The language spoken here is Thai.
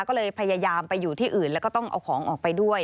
ก็เลยพยายามไปอยู่ที่อื่นแล้วก็ต้องเอาของออกไปด้วย